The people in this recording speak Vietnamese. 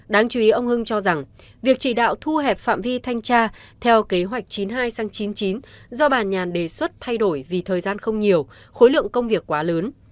đáng chú ý ông hưng cho rằng việc chỉ đạo thu hẹp phạm vi thanh tra theo kế hoạch chín mươi hai sang chín mươi chín do bà nhàn đề xuất thay đổi vì thời gian không nhiều khối lượng công việc quá lớn